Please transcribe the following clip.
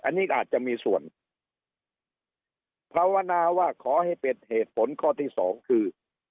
อันนี้อาจจะมีส่วนภาวนาว่าขอให้เป็นเหตุผลข้อที่สองคือ